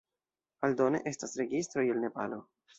Aldone, estas registroj el Nepalo.